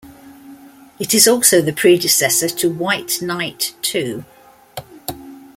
It is also the predecessor to White Knight Two.